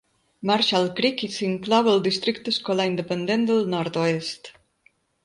Marshall Creek s'inclou al districte escolar independent del nord-oest.